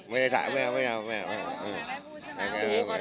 ขอถามเพลงใหม่